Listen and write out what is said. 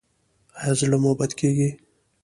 ایا زړه مو بد کیږي؟